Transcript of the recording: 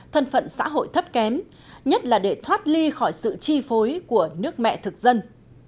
thân phận xã hội thấp kém nhất là để thoát ly khỏi sự chi phối của nước mẹ thực dân